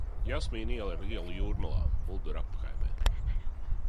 Jasmīnu iela ir iela Jūrmalā, Bulduru apkaimē.